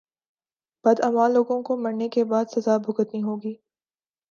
بداعمال لوگوں کو مرنے کے بعد سزا بھگتنی ہوگی